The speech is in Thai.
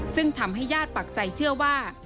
ซึ่งทำให้ญาติปักใจเชื่อว่า